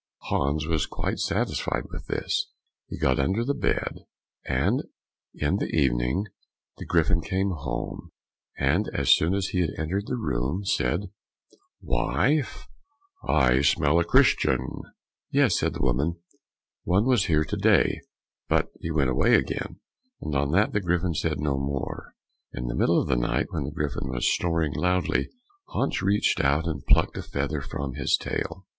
Hans was quite satisfied with this, and got under the bed. In the evening, the Griffin came home, and as soon as he entered the room, said, "Wife, I smell a Christian." "Yes," said the woman, "one was here to day, but he went away again;" and on that the Griffin said no more. In the middle of the night when the Griffin was snoring loudly, Hans reached out and plucked a feather from his tail.